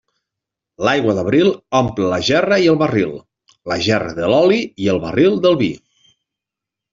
L'aigua d'abril omple la gerra i el barril; la gerra de l'oli i el barril del vi.